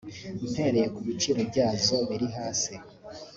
Mpereye ku biciro byazo biri hasi